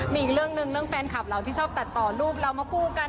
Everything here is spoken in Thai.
มีอีกเรื่องหนึ่งเรื่องแฟนคลับเราที่ชอบตัดต่อรูปเรามาคู่กัน